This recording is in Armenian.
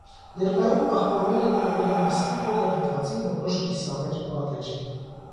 Ներկայում պապանվել են արևելյան մասի փոքր հատվածի որոշ կիսավեր պատեր։